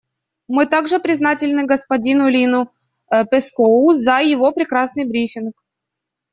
Мы также признательны господину Линну Пэскоу за его прекрасный брифинг.